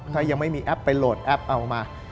ถ้ายังไม่มีแอปไปโหลดแอปเอามา